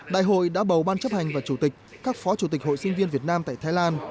đại hội đã bầu ban chấp hành và chủ tịch các phó chủ tịch hội sinh viên việt nam tại thái lan